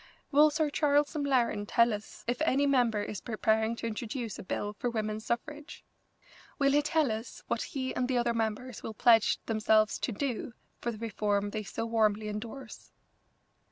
Will Sir Charles M'Laren tell us if any member is preparing to introduce a bill for women's suffrage? Will he tell us what he and the other members will pledge themselves to do for the reform they so warmly endorse?"